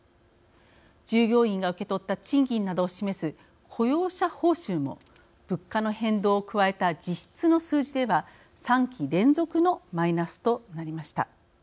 従業員が受け取った賃金などを示す雇用者報酬も物価の変動を加えた実質の数字では３期連続のマイナスとなりました。